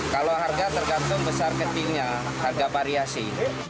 kalau harga tergantung besar ke tinggi harga variasi